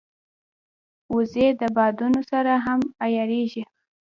وزې د بادونو سره هم عیارېږي